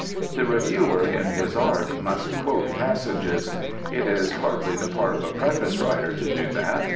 The reviewer in his art must quote passages. It is hardly the part of a Preface writer to do that.